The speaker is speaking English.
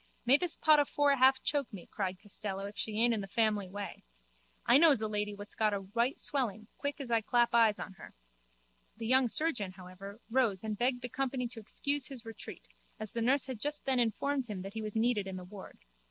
May this pot of four half choke me, cried Costello, if she aint in the family way. I knows a lady what's got a white swelling quick as I claps eyes on her. The young surgeon, however, rose and begged the company to excuse his retreat as the nurse had just then informed him that he was needed in the ward.